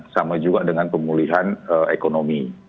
sama juga dengan pemulihan ekonomi